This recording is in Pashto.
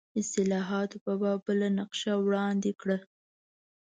اصلاحاتو په باب بله نقشه وړاندې کړه.